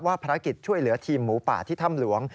ภารกิจช่วยเหลือทีมหมูป่าที่ถ้ำหลวง